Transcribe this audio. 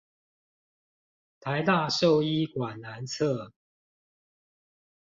臺大獸醫館南側